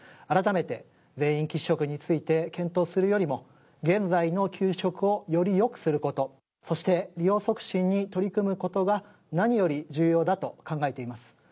改めて全員喫食について検討するよりも現在の給食をより良くする事そして利用促進に取り組む事が何より重要だと考えています。